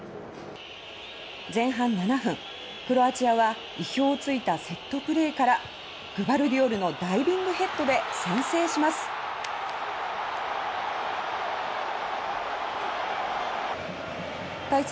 前半７分クロアチアは意表ついたセットプレーからグバルディオルのダイビングヘッドで先制します。